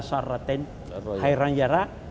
saraten hairan yarak